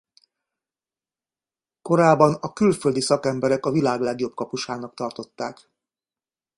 Korában a külföldi szakemberek a világ legjobb kapusának tartották.